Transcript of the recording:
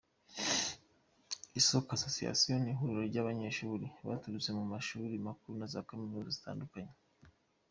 Isooko Association ni ihuriro ry’abanyeshuri baturutse mu mashuri makuru na za kaminuza zitandukanye.